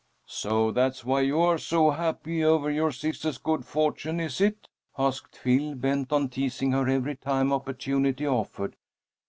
"So that's why you are so happy over your sister's good fortune, is it?" asked Phil, bent on teasing her every time opportunity offered.